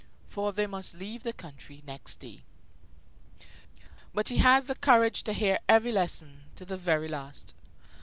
For they must leave the country next day. But he had the courage to hear every lesson to the very last.